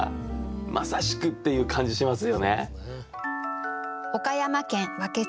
まさしくっていう感じしますよね。